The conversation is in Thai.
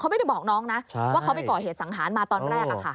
ไม่ได้บอกน้องนะว่าเขาไปก่อเหตุสังหารมาตอนแรก